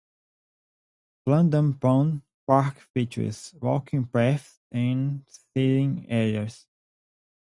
Plandome Pond Park features walking paths and sitting areas.